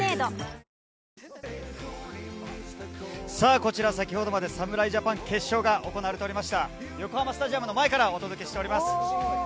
こちら、先ほどまで侍ジャパン決勝が行われておりました横浜スタジアムの前からお届けしています。